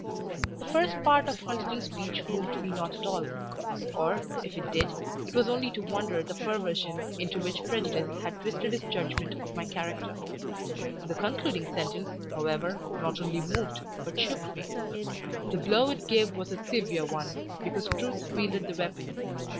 The first part of Hunsden's speech moved me not at all, or, if it did, it was only to wonder at the perversion into which prejudice had twisted his judgment of my character; the concluding sentence, however, not only moved, but shook me; the blow it gave was a severe one, because Truth wielded the weapon.